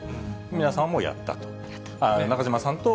皆さんもやったと。